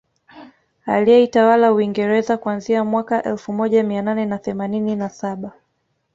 Aliyeitawala Uingereza kuanzia mwaka elfu moja Mia nane na themanini na saba